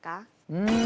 うん。